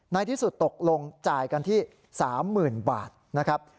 ในที่สุดตกลงจ่ายกันที่๓๐๐๐บาทนะครับ